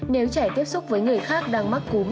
nếu trẻ tiếp xúc với người khác đang mắc cúm